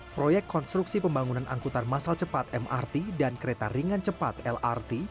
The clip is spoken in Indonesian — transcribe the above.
proyek konstruksi pembangunan angkutan masal cepat mrt dan kereta ringan cepat lrt